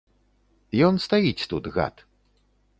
Ён стаіць тут, гад.